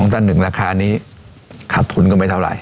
๒ตั้น๑ราคานี้ขาดทุนก็ไม่เท่าไหร่